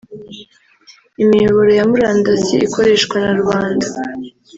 Imiyoboro ya murandasi ikoreshwa na rubanda